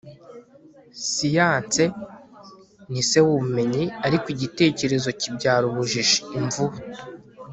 siyanse ni se w'ubumenyi, ariko igitekerezo kibyara ubujiji. - imvubu